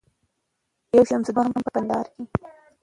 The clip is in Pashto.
یو شمس الدین وم په کندهار کي